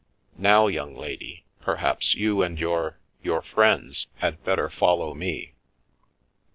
Now, young lady, perhaps you and your — your friends had better follow me."